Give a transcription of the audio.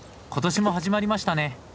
今年も始まりましたね。